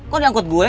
kok diangkut gue